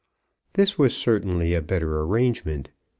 This was certainly a better arrangement.